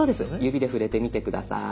指で触れてみて下さい。